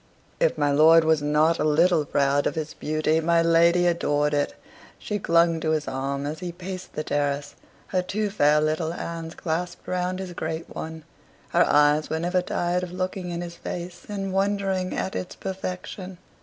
If my lord was not a little proud of his beauty, my lady adored it. She clung to his arm as he paced the terrace, her two fair little hands clasped round his great one; her eyes were never tired of looking in his face and wondering at its perfection.